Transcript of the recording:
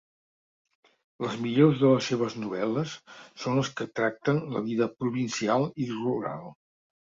Les millors de les seves novel·les són les que tracten la vida provincial i rural.